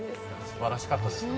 素晴らしかったですよ。